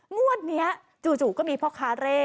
งวดเนี่ยจู่ก็มีพ่อคาร์ดเล่